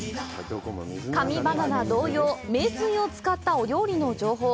神バナナ同様名水を使ったお料理の情報。